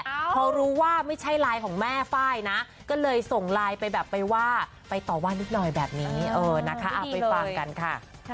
เพราะรู้ว่าไม่ใช่ไลน์ของแม่ไฟล์นะก็เลยส่งไลน์ไปแบบไปว่าไปต่อว่านิดหน่อยแบบนี้เออนะคะเอาไปฟังกันค่ะ